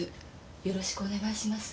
よろしくお願いします。